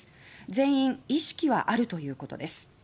全員意識はあるということです。